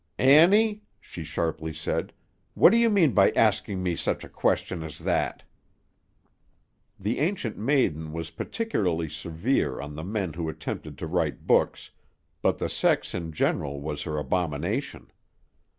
"Annie," she sharply said, "what do you mean by asking me such a question as that?" The Ancient Maiden was particularly severe on the men who attempted to write books, but the sex in general was her abomination.